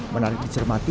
menarik di cermat